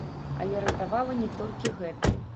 Але ратавала не толькі гэта.